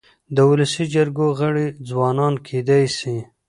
د ولسي جرګو غړي ځوانان کيدای سي.